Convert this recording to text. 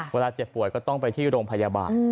เวลาเจ็บป่วยก็ต้องไปที่โรงพยาบาล